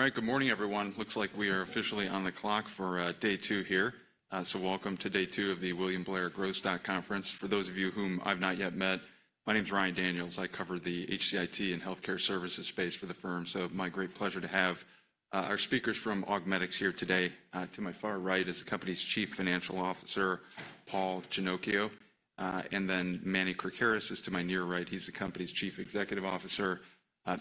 All right. Good morning, everyone. Looks like we are officially on the clock for day two here. So welcome to day two of the William Blair Growth Stock Conference. For those of you whom I've not yet met, my name's Ryan Daniels. I cover the HCIT and healthcare services space for the firm. So it's my great pleasure to have our speakers from Augmedix here today. To my far right is the company's Chief Financial Officer, Paul Ginocchio, and then Manny Krakaris is to my near right. He's the company's Chief Executive Officer.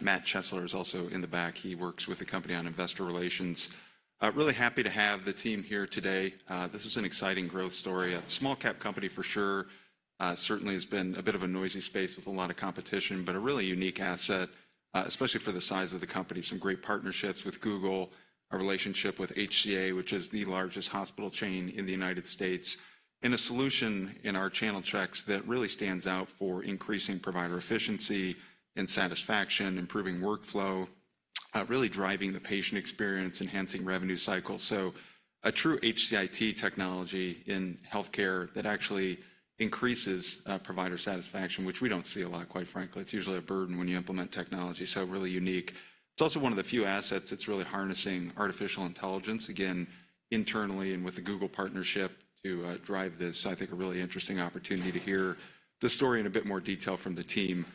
Matt Chesler is also in the back. He works with the company on investor relations. Really happy to have the team here today. This is an exciting growth story. A small cap company for sure. Certainly has been a bit of a noisy space with a lot of competition, but a really unique asset, especially for the size of the company. Some great partnerships with Google, a relationship with HCA, which is the largest hospital chain in the United States, and a solution in our channel checks that really stands out for increasing provider efficiency and satisfaction, improving workflow, really driving the patient experience, enhancing revenue cycles. So a true HCIT technology in healthcare that actually increases provider satisfaction, which we don't see a lot, quite frankly. It's usually a burden when you implement technology, so really unique. It's also one of the few assets that's really harnessing artificial intelligence, again, internally and with the Google partnership, to drive this. So I think a really interesting opportunity to hear the story in a bit more detail from the team.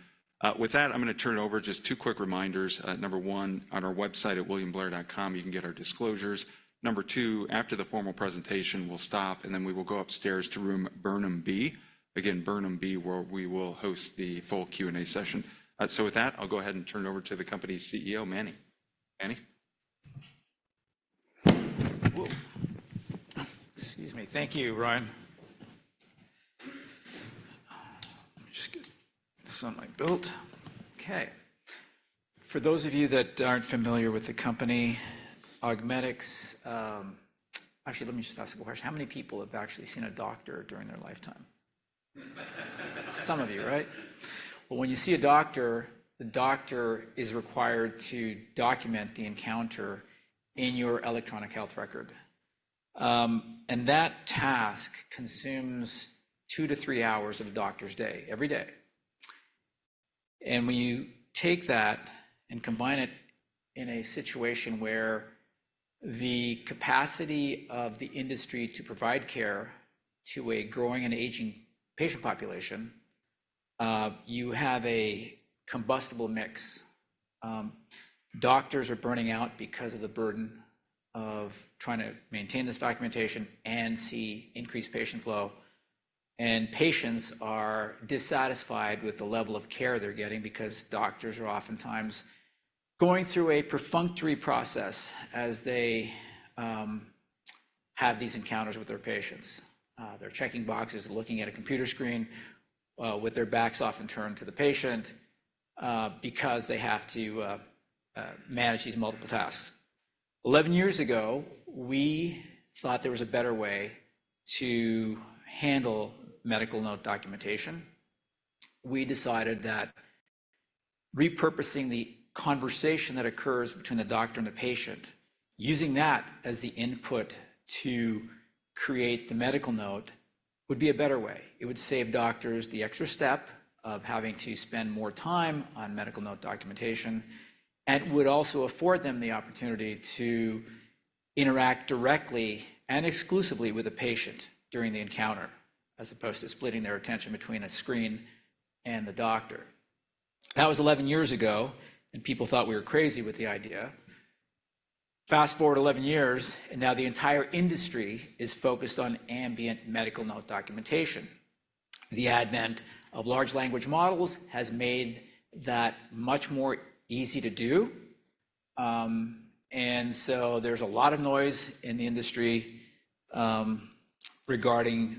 With that, I'm gonna turn it over. Just two quick reminders. Number one, on our website at williamblair.com, you can get our disclosures. Number two, after the formal presentation, we'll stop, and then we will go upstairs to room Burnham B. Again, Burnham B, where we will host the full Q&A session. So with that, I'll go ahead and turn it over to the company's CEO, Manny. Manny? Whoa! Excuse me. Thank you, Ryan. Let me just get this on my belt. Okay. For those of you that aren't familiar with the company, Augmedix. Actually, let me just ask a question. How many people have actually seen a doctor during their lifetime? Some of you, right? Well, when you see a doctor, the doctor is required to document the encounter in your electronic health record. That task consumes two to three hours of a doctor's day, every day. When you take that and combine it in a situation where the capacity of the industry to provide care to a growing and aging patient population, you have a combustible mix. Doctors are burning out because of the burden of trying to maintain this documentation and see increased patient flow, and patients are dissatisfied with the level of care they're getting because doctors are oftentimes going through a perfunctory process as they have these encounters with their patients. They're checking boxes, looking at a computer screen with their backs often turned to the patient because they have to manage these multiple tasks. 11 years ago, we thought there was a better way to handle medical note documentation. We decided that repurposing the conversation that occurs between the doctor and the patient, using that as the input to create the medical note, would be a better way. It would save doctors the extra step of having to spend more time on medical note documentation and would also afford them the opportunity to interact directly and exclusively with the patient during the encounter, as opposed to splitting their attention between a screen and the doctor. That was 11 years ago, and people thought we were crazy with the idea. Fast-forward 11 years, and now the entire industry is focused on ambient medical note documentation. The advent of large language models has made that much more easy to do. And so there's a lot of noise in the industry regarding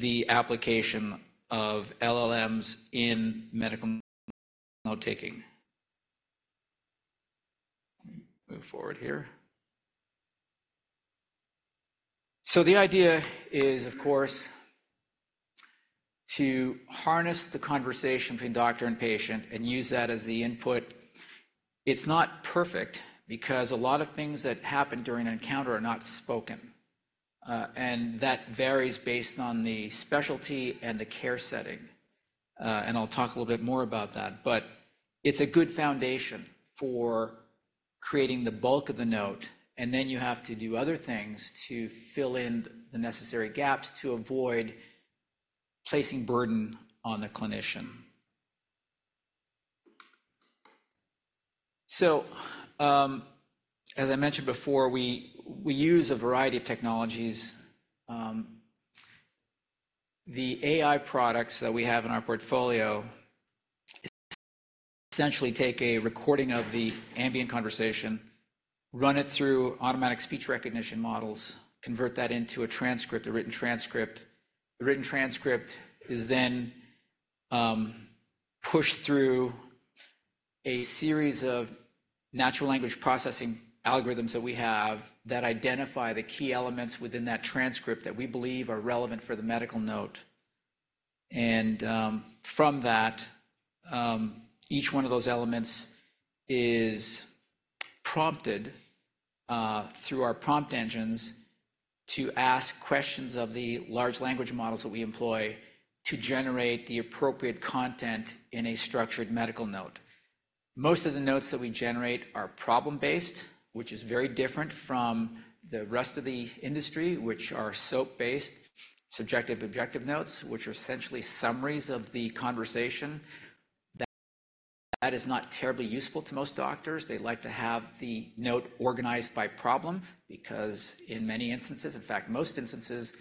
the application of LLMs in medical note-taking. Let me move forward here. So the idea is, of course, to harness the conversation between doctor and patient and use that as the input. It's not perfect because a lot of things that happen during an encounter are not spoken, and that varies based on the specialty and the care setting. And I'll talk a little bit more about that, but it's a good foundation for creating the bulk of the note, and then you have to do other things to fill in the necessary gaps to avoid placing burden on the clinician. So, as I mentioned before, we use a variety of technologies. The AI products that we have in our portfolio essentially take a recording of the ambient conversation, run it through automatic speech recognition models, convert that into a transcript, a written transcript. The written transcript is then pushed through a series of natural language processing algorithms that we have that identify the key elements within that transcript that we believe are relevant for the medical note. And from that, each one of those elements is prompted through our prompt engines to ask questions of the large language models that we employ to generate the appropriate content in a structured medical note. Most of the notes that we generate are problem-based, which is very different from the rest of the industry, which are SOAP-based, subjective-objective notes, which are essentially summaries of the conversation. That is not terribly useful to most doctors. They like to have the note organized by problem because in many instances, in fact, most instances,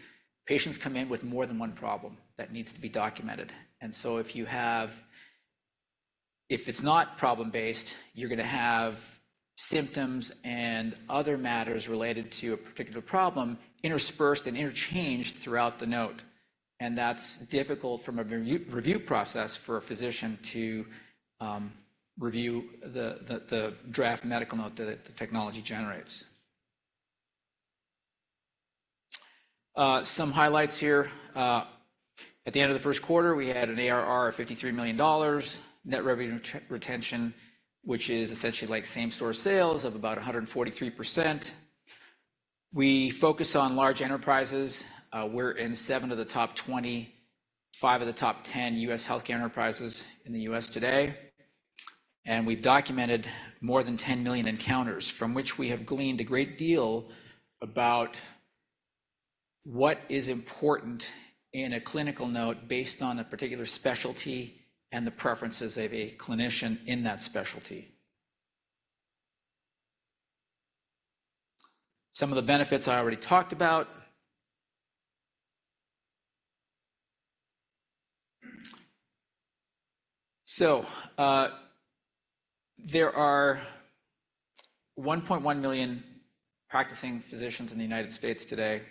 patients come in with more than one problem that needs to be documented. If it's not problem-based, you're gonna have symptoms and other matters related to a particular problem interspersed and interchanged throughout the note, and that's difficult from a review process for a physician to review the draft medical note that the technology generates. Some highlights here. At the end of the first quarter, we had an ARR of $53 million, net revenue retention, which is essentially like same-store sales of about 143%. We focus on large enterprises. We're in seven of the top 20, five of the top 10 U.S. healthcare enterprises in the U.S. today, and we've documented more than 10 million encounters, from which we have gleaned a great deal about what is important in a clinical note based on a particular specialty and the preferences of a clinician in that specialty. Some of the benefits I already talked about. So, there are 1.1 million practicing physicians in the United States today.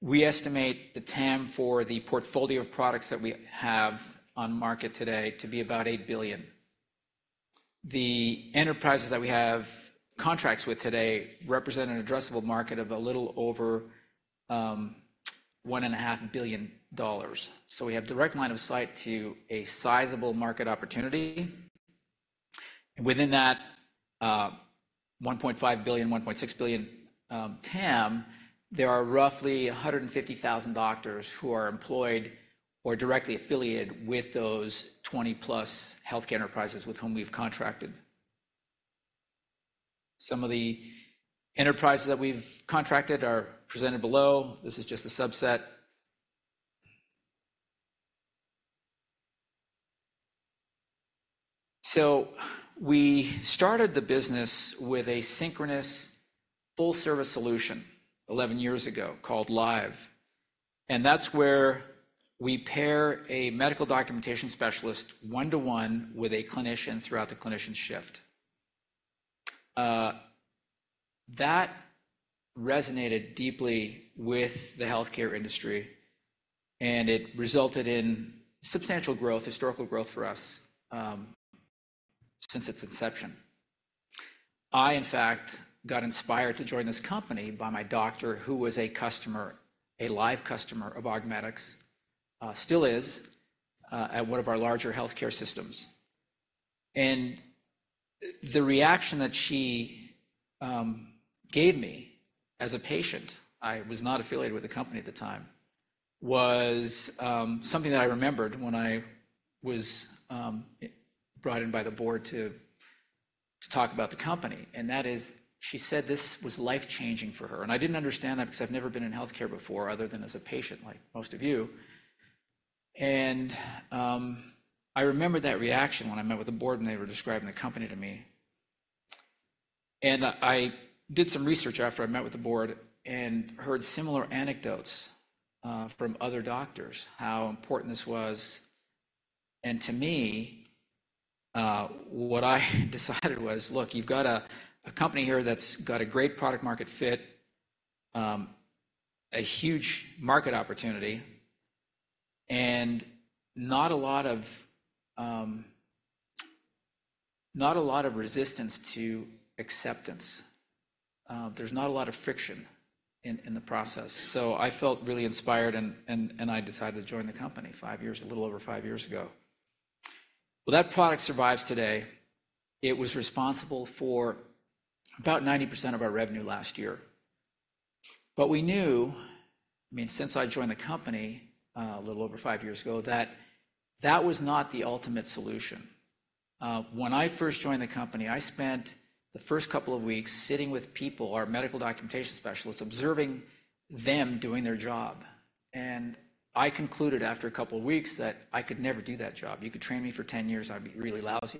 We estimate the TAM for the portfolio of products that we have on market today to be about $8 billion. The enterprises that we have contracts with today represent an addressable market of a little over $1.5 billion. So we have direct line of sight to a sizable market opportunity. Within that, $1.5 billion-$1.6 billion TAM, there are roughly 150,000 doctors who are employed or directly affiliated with those 20+ healthcare enterprises with whom we've contracted. Some of the enterprises that we've contracted are presented below. This is just a subset. We started the business with a synchronous full-service solution 11 years ago called Live, and that's where we pair a medical documentation specialist one-to-one with a clinician throughout the clinician's shift. That resonated deeply with the healthcare industry, and it resulted in substantial growth, historical growth for us, since its inception. I, in fact, got inspired to join this company by my doctor, who was a customer, a Live customer of Augmedix, still is, at one of our larger healthcare systems. The reaction that she gave me as a patient, I was not affiliated with the company at the time, was something that I remembered when I was brought in by the board to talk about the company, and that is, she said this was life-changing for her, and I didn't understand that because I've never been in healthcare before other than as a patient, like most of you. I remembered that reaction when I met with the board, and they were describing the company to me. I did some research after I met with the board and heard similar anecdotes from other doctors, how important this was. To me, what I decided was, Look, you've got a company here that's got a great product market fit, a huge market opportunity, and not a lot of, not a lot of resistance to acceptance. There's not a lot of friction in the process. So I felt really inspired, and I decided to join the company five years, a little over five years ago. Well, that product survives today. It was responsible for about 90% of our revenue last year. But we knew, I mean, since I joined the company, a little over five years ago, that that was not the ultimate solution. When I first joined the company, I spent the first couple of weeks sitting with people, our medical documentation specialists, observing them doing their job, and I concluded after a couple of weeks that I could never do that job. You could train me for 10 years, I'd be really lousy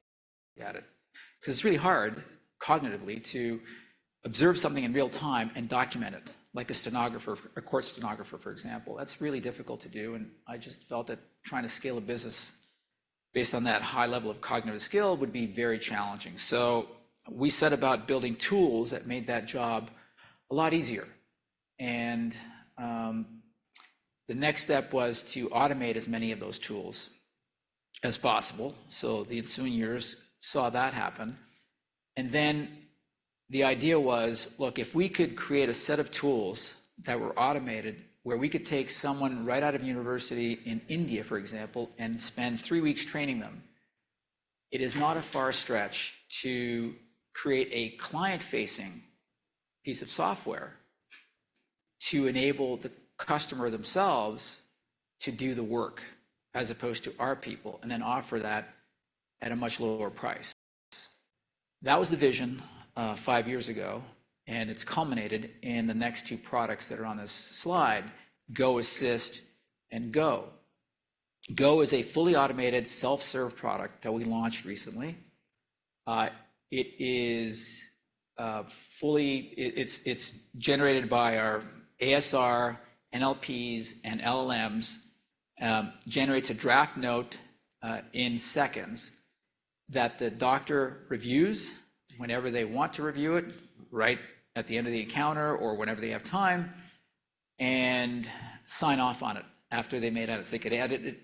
at it, 'cause it's really hard cognitively to observe something in real time and document it, like a stenographer, a court stenographer, for example. That's really difficult to do, and I just felt that trying to scale a business based on that high level of cognitive skill would be very challenging. So we set about building tools that made that job a lot easier. And, the next step was to automate as many of those tools as possible. So the ensuing years saw that happen. The idea was, look, if we could create a set of tools that were automated, where we could take someone right out of university in India, for example, and spend three weeks training them. It is not a far stretch to create a client-facing piece of software to enable the customer themselves to do the work, as opposed to our people, and then offer that at a much lower price. That was the vision, five years ago, and it's culminated in the next two products that are on this slide: Go Assist and Go. Go is a fully automated self-serve product that we launched recently. It is fully generated by our ASR, NLPs, and LLMs, generates a draft note in seconds that the doctor reviews whenever they want to review it, right at the end of the encounter or whenever they have time, and sign off on it after they made edits. They could edit it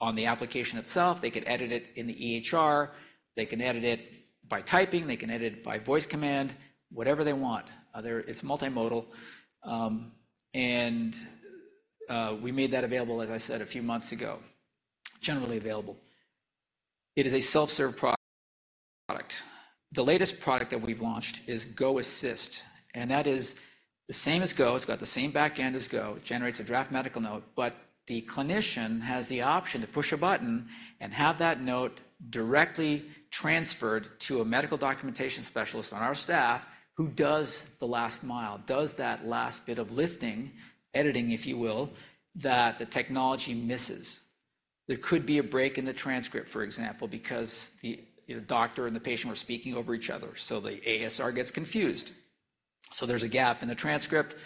on the application itself, they could edit it in the EHR, they can edit it by typing, they can edit it by voice command, whatever they want. There it's multimodal, and we made that available, as I said, a few months ago, generally available. It is a self-serve product. The latest product that we've launched is Go Assist, and that is the same as Go. It's got the same back end as Go. It generates a draft medical note, but the clinician has the option to push a button and have that note directly transferred to a medical documentation specialist on our staff who does the last mile, does that last bit of lifting, editing, if you will, that the technology misses. There could be a break in the transcript, for example, because the, you know, doctor and the patient were speaking over each other, so the ASR gets confused. So there's a gap in the transcript.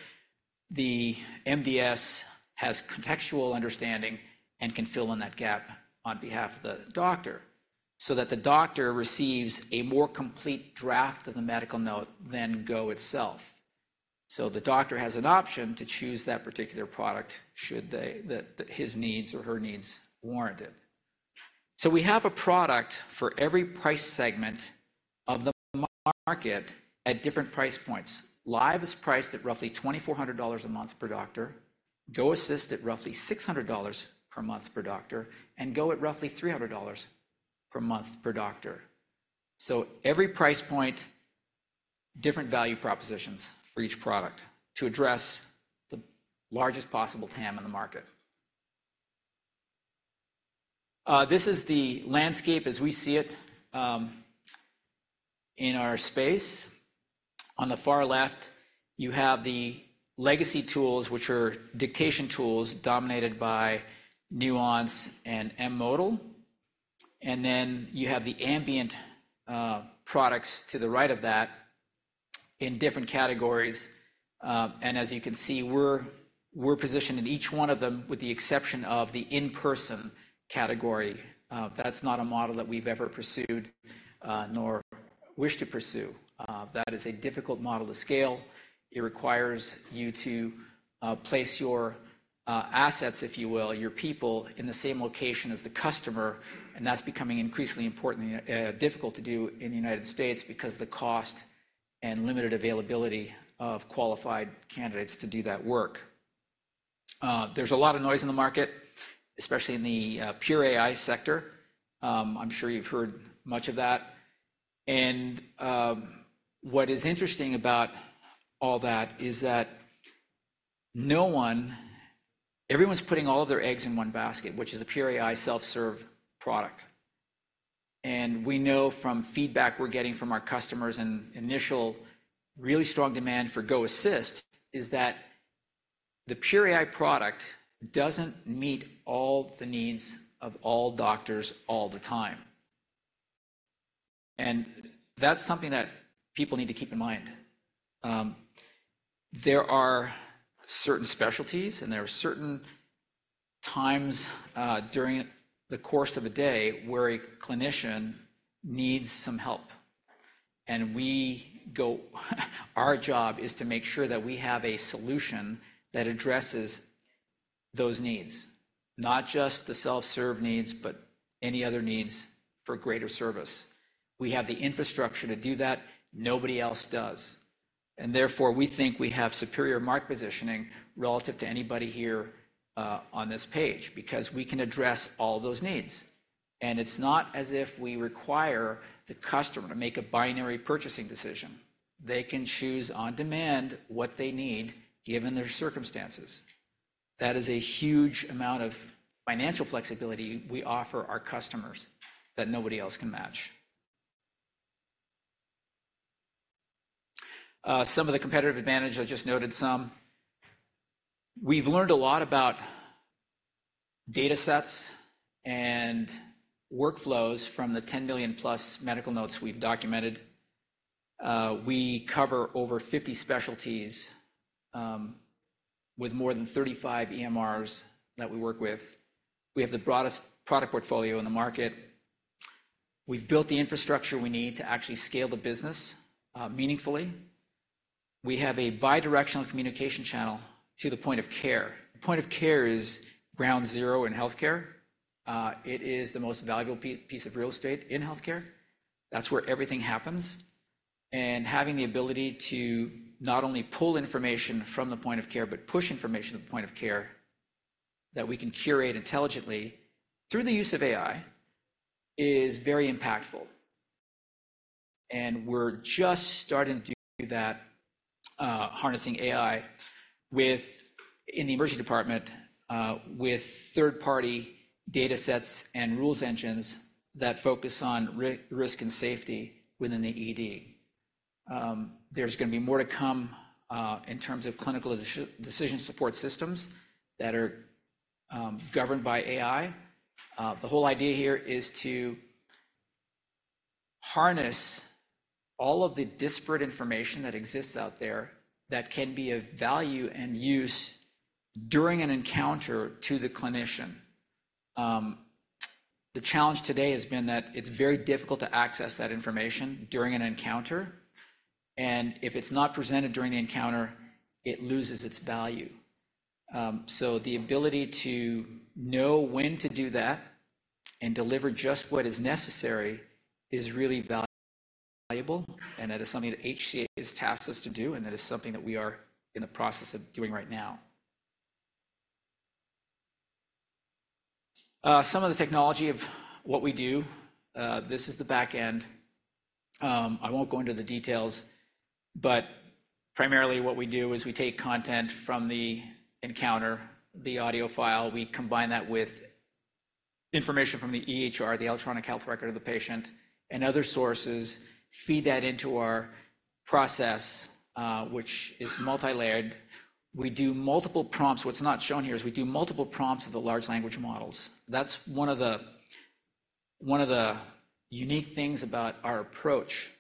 The MDS has contextual understanding and can fill in that gap on behalf of the doctor so that the doctor receives a more complete draft of the medical note than Go itself. So the doctor has an option to choose that particular product, should they, that his needs or her needs warrant it. We have a product for every price segment of the market at different price points. Live is priced at roughly $2,400 a month per doctor, Go Assist at roughly $600 a month per doctor, and Go at roughly $300 a month per doctor. So every price point, different value propositions for each product to address the largest possible TAM in the market. This is the landscape as we see it, in our space. On the far left, you have the legacy tools, which are dictation tools dominated by Nuance and M*Modal, and then you have the ambient products to the right of that in different categories. And as you can see, we're positioned in each one of them, with the exception of the in-person category. That's not a model that we've ever pursued, nor wish to pursue. That is a difficult model to scale. It requires you to place your assets, if you will, your people, in the same location as the customer, and that's becoming increasingly important and difficult to do in the United States because the cost and limited availability of qualified candidates to do that work. There's a lot of noise in the market, especially in the pure AI sector. I'm sure you've heard much of that, and what is interesting about all that is that no one, everyone's putting all of their eggs in one basket, which is a pure AI self-serve product. And we know from feedback we're getting from our customers and initial really strong demand for Go Assist, is that the pure AI product doesn't meet all the needs of all doctors all the time. That's something that people need to keep in mind. There are certain specialties, and there are certain times during the course of a day where a clinician needs some help, our job is to make sure that we have a solution that addresses those needs, not just the self-serve needs, but any other needs for greater service. We have the infrastructure to do that, nobody else does, and therefore, we think we have superior market positioning relative to anybody here on this page because we can address all those needs. It's not as if we require the customer to make a binary purchasing decision. They can choose on demand what they need, given their circumstances. That is a huge amount of financial flexibility we offer our customers that nobody else can match. Some of the competitive advantage, I just noted some. We've learned a lot about data sets and workflows from the 10 million+ medical notes we've documented. We cover over 50 specialties, with more than 35 EMRs that we work with. We have the broadest product portfolio in the market. We've built the infrastructure we need to actually scale the business, meaningfully. We have a bidirectional communication channel to the point of care. The point of care is ground zero in healthcare. It is the most valuable piece of real estate in healthcare. That's where everything happens, and having the ability to not only pull information from the point of care but push information to the point of care, that we can curate intelligently through the use of AI is very impactful, and we're just starting to do that, harnessing AI with, in the emergency department, with third-party data sets and rules engines that focus on risk and safety within the ED. There's gonna be more to come, in terms of clinical decision support systems that are governed by AI. The whole idea here is to harness all of the disparate information that exists out there that can be of value and use during an encounter to the clinician. The challenge today has been that it's very difficult to access that information during an encounter, and if it's not presented during the encounter, it loses its value. The ability to know when to do that and deliver just what is necessary is really valuable, valuable, and that is something that HCA has tasked us to do, and that is something that we are in the process of doing right now. Some of the technology of what we do, this is the back end. I won't go into the details, but primarily what we do is we take content from the encounter, the audio file. We combine that with information from the EHR, the electronic health record of the patient, and other sources, feed that into our process, which is multilayered. We do multiple prompts. What's not shown here is we do multiple prompts of the large language models. That's one of the, one of the unique things about our approach.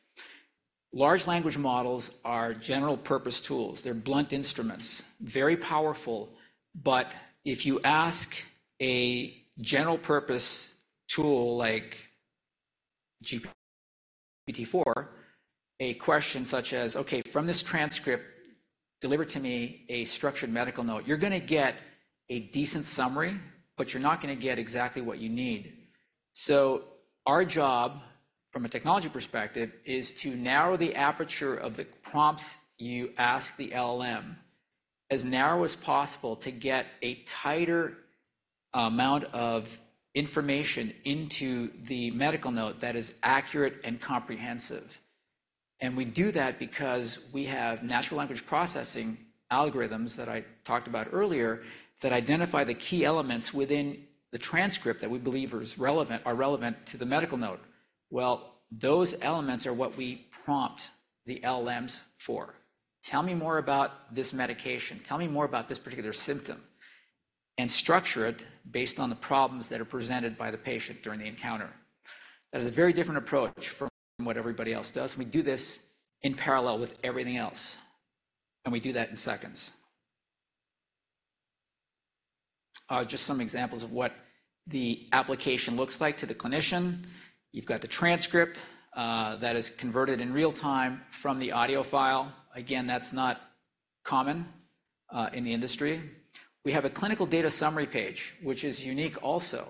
Large language models are general-purpose tools. They're blunt instruments, very powerful, but if you ask a general-purpose tool like GPT-4 a question such as, "Okay, from this transcript, deliver to me a structured medical note," you're gonna get a decent summary, but you're not gonna get exactly what you need. So our job, from a technology perspective, is to narrow the aperture of the prompts you ask the LLM as narrow as possible to get a tighter amount of information into the medical note that is accurate and comprehensive. And we do that because we have natural language processing algorithms that I talked about earlier that identify the key elements within the transcript that we believe is relevant, are relevant to the medical note. Well, those elements are what we prompt the LLMs for. Tell me more about this medication. Tell me more about this particular symptom, and structure it based on the problems that are presented by the patient during the encounter. That is a very different approach from what everybody else does, and we do this in parallel with everything else, and we do that in seconds. Just some examples of what the application looks like to the clinician. You've got the transcript that is converted in real time from the audio file. Again, that's not common in the industry. We have a clinical data summary page, which is unique also.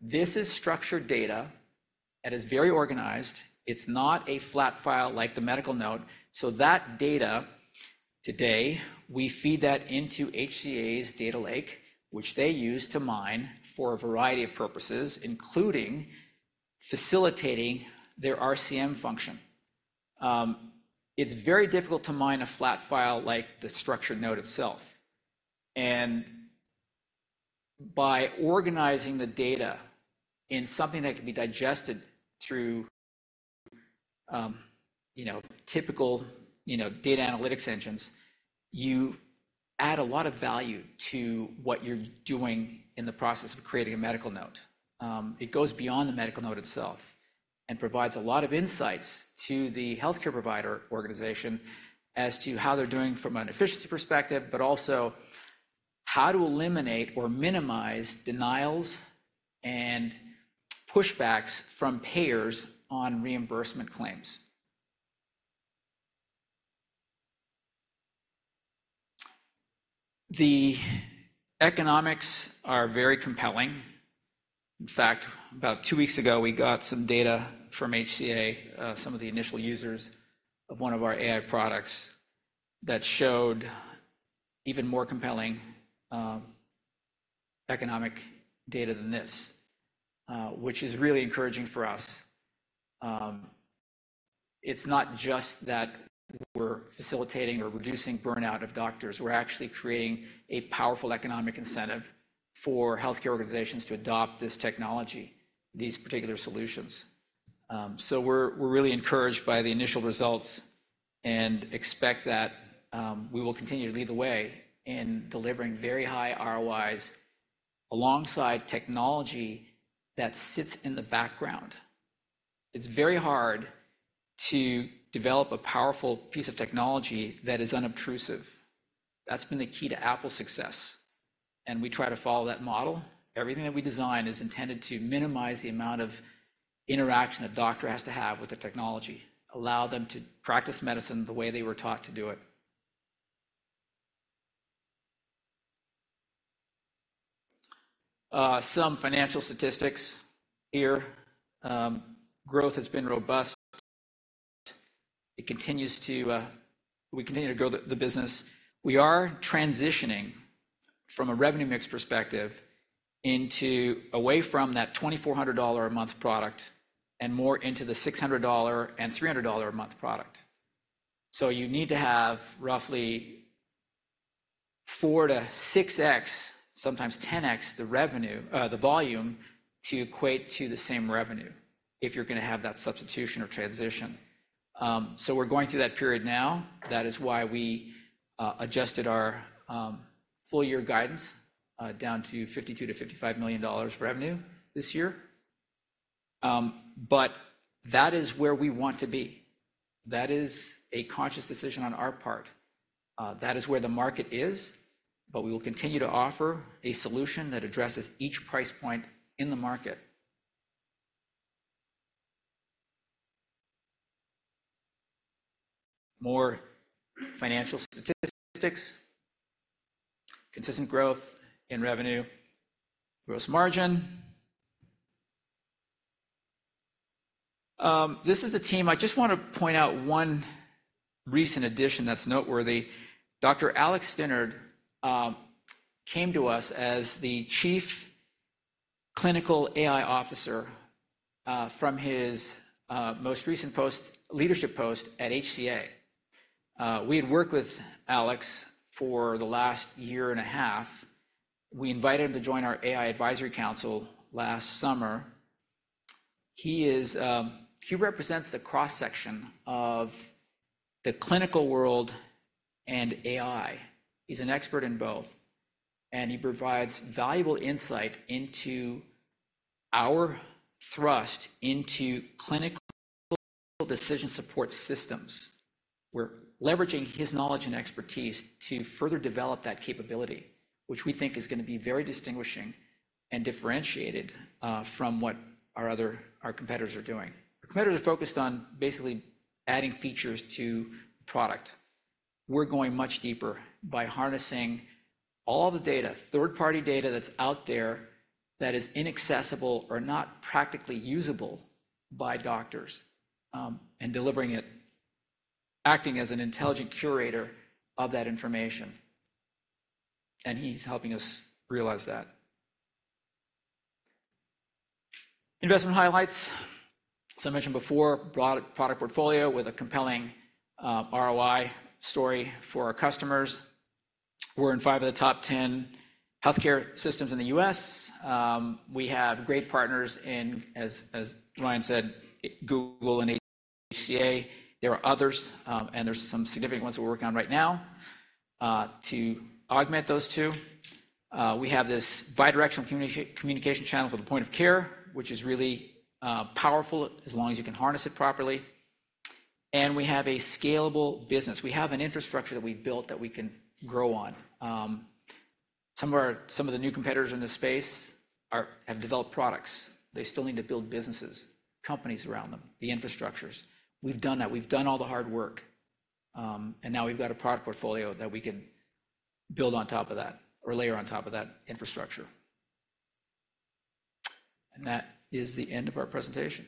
This is structured data that is very organized. It's not a flat file like the medical note, so that data today, we feed that into HCA's data lake, which they use to mine for a variety of purposes, including facilitating their RCM function. It's very difficult to mine a flat file like the structured note itself, and by organizing the data in something that can be digested through, you know, typical, you know, data analytics engines, you add a lot of value to what you're doing in the process of creating a medical note. It goes beyond the medical note itself and provides a lot of insights to the healthcare provider organization as to how they're doing from an efficiency perspective, but also how to eliminate or minimize denials and pushbacks from payers on reimbursement claims. The economics are very compelling. In fact, about two weeks ago, we got some data from HCA, some of the initial users of one of our AI products, that showed even more compelling, economic data than this, which is really encouraging for us. It's not just that we're facilitating or reducing burnout of doctors. We're actually creating a powerful economic incentive for healthcare organizations to adopt this technology, these particular solutions. So we're really encouraged by the initial results and expect that we will continue to lead the way in delivering very high ROIs alongside technology that sits in the background. It's very hard to develop a powerful piece of technology that is unobtrusive. That's been the key to Apple's success, and we try to follow that model. Everything that we design is intended to minimize the amount of interaction a doctor has to have with the technology, allow them to practice medicine the way they were taught to do it. Some financial statistics here. Growth has been robust. It continues to, we continue to grow the business. We are transitioning from a revenue mix perspective into away from that $2,400-a-month product and more into the $600 and $300-a-month product. So you need to have roughly 4-6x, sometimes 10x, the revenue, the volume, to equate to the same revenue if you're gonna have that substitution or transition. So we're going through that period now. That is why we adjusted our full year guidance down to $52 million-$55 million revenue this year. But that is where we want to be. That is a conscious decision on our part. That is where the market is, but we will continue to offer a solution that addresses each price point in the market. More financial statistics, consistent growth in revenue, gross margin. This is the team. I just want to point out one recent addition that's noteworthy. Dr. Alex Stinard came to us as the Chief Clinical AI Officer from his most recent post, leadership post at HCA. We had worked with Alex for the last year and a half. We invited him to join our AI Advisory Council last summer. He represents the cross-section of the clinical world and AI. He's an expert in both, and he provides valuable insight into our thrust into clinical decision support systems. We're leveraging his knowledge and expertise to further develop that capability, which we think is gonna be very distinguishing and differentiated from what our other, our competitors are doing. Our competitors are focused on basically adding features to product. We're going much deeper by harnessing all the data, third-party data, that's out there that is inaccessible or not practically usable by doctors, and delivering it, acting as an intelligent curator of that information, and he's helping us realize that. Investment highlights. As I mentioned before, broad product portfolio with a compelling ROI story for our customers. We're in five of the top 10 healthcare systems in the U.S. We have great partners in, as, as Ryan said, Google and HCA. There are others, and there's some significant ones that we're working on right now, to augment those two. We have this bidirectional communication channel for the point of care, which is really powerful as long as you can harness it properly, and we have a scalable business. We have an infrastructure that we've built that we can grow on. Some of the new competitors in this space are, have developed products. They still need to build businesses, companies around them, the infrastructures. We've done that. We've done all the hard work, and now we've got a product portfolio that we can build on top of that or layer on top of that infrastructure. That is the end of our presentation.